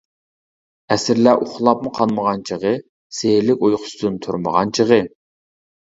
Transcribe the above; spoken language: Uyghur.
ئەسىرلەر ئۇخلاپمۇ قانمىغان چېغى، سېھىرلىك ئۇيقۇسىدىن تۇرمىغان چېغى.